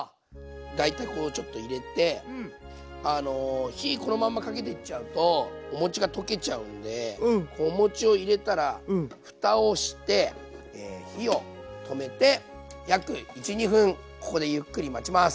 大体こうちょっと入れて火このままかけていっちゃうとお餅が溶けちゃうんでこうお餅を入れたらふたをして火を止めて約１２分ここでゆっくり待ちます。